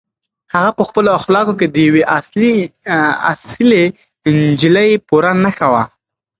هغه په خپلو اخلاقو کې د یوې اصیلې نجلۍ پوره نښه وه.